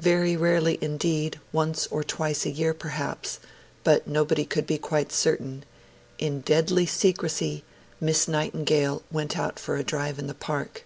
Very rarely, indeed, once or twice a year, perhaps, but nobody could be quite certain, in deadly secrecy, Miss Nightingale went out for a drive in the Park.